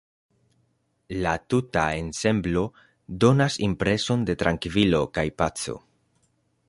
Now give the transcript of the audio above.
La tuta ensemblo donas impreson de trankvilo kaj paco.